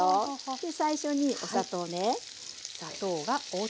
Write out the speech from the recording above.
で最初にお砂糖ね。